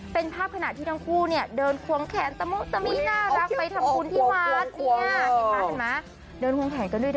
เป็นภาพขณะที่ทั้งคู่เนี่ยเดินควงแขนตะมุตะมิน่ารักไปทำบุญที่วัดแขนกันด้วยนะ